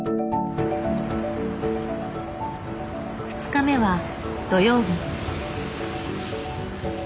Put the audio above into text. ２日目は土曜日。